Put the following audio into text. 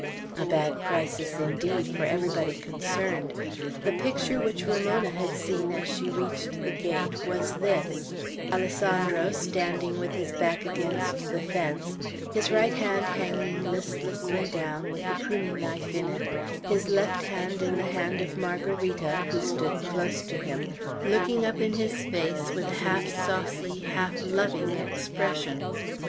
At a bad crisis, indeed, for everybody concerned. The picture which Ramona had seen, as she reached the gate, was this: Alessandro, standing with his back against the fence, his right hand hanging listlessly down, with the pruning knife in it, his left hand in the hand of Margarita, who stood close to him, looking up in his face, with a half saucy, half loving expression.